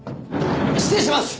失礼します！